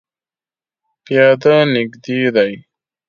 پیاده نږدې دی